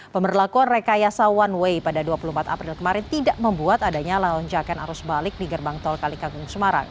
pemberlakuan rekayasa one way pada dua puluh empat april kemarin tidak membuat adanya launjakan arus balik di gerbang tol kalikagung semarang